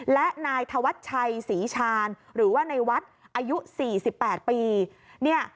และนายธวัชชัยศรีชาญหรือว่าในวัดอายุ๔๘ปี